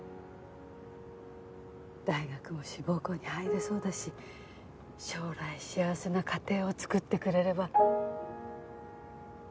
大学も志望校に入れそうだし将来幸せな家庭を作ってくれれば。